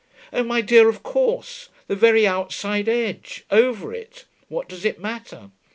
'Oh, my dear, of course. The very outside edge: over it. What does it matter?